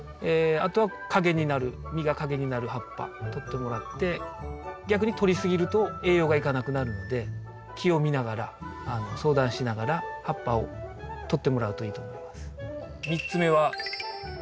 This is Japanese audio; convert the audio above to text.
あとは陰になる実が陰になる葉っぱとってもらって逆にとり過ぎると栄養がいかなくなるので木を見ながら相談しながら葉っぱをとってもらうといいと思います。